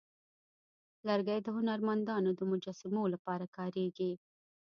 لرګی د هنرمندانو د مجسمو لپاره کارېږي.